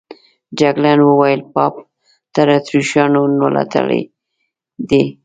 جګړن وویل پاپ د اتریشیانو ملاتړی دی.